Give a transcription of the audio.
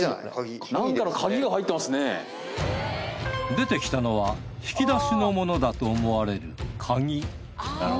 出てきたのは引き出しのものだと思われる鍵。